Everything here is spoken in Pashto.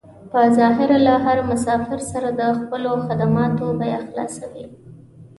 په ظاهره له هر مسافر سره د خپلو خدماتو بيه خلاصوي.